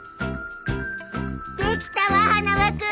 できたわ花輪君！